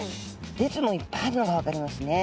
列もいっぱいあるのが分かりますね。